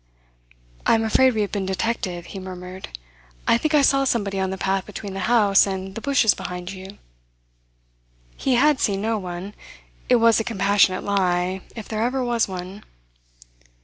"I am afraid we have been detected," he murmured. "I think I saw somebody on the path between the house and the bushes behind you." He had seen no one. It was a compassionate lie, if there ever was one.